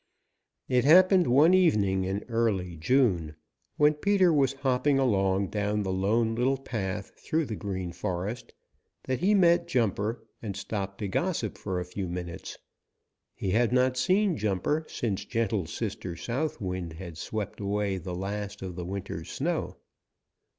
It happened one evening in early June, when Peter was hopping along down the Lone Little Path through the Green Forest, that he met Jumper and stopped to gossip for a few minutes. He had not seen Jumper since gentle Sister South. Wind had swept away the last of the winter snow.